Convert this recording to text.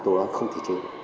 nó không thị trường